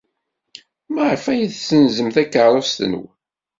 Maɣef ay tessenzem takeṛṛust-nwen?